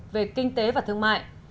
về kinh tế và thương mại